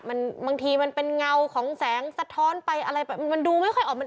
มันบางทีมันเป็นเงาของแสงสะท้อนไปอะไรมันดูไม่ค่อยออกมา